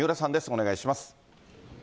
お願いします。